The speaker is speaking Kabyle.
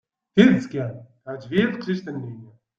Tidet kan, teɛǧeb-iyi teqcict-nni.